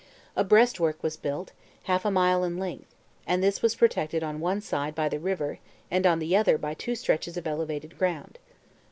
A breastwork was built, half a mile in length, and this was protected on one side by the river and on the other by two stretches of elevated ground.